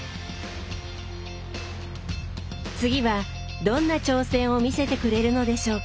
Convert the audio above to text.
次はどんな挑戦を見せてくれるのでしょうか？